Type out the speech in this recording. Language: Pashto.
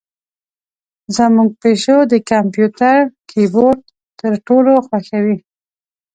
زمونږ پیشو د کمپیوتر کیبورډ تر ټولو خوښوي.